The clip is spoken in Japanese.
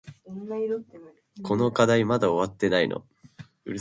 この課題まだ終わってないの？